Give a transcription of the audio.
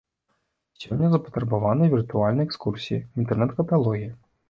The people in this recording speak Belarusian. Сёння запатрабаваны віртуальныя экскурсіі, інтэрнэт-каталогі.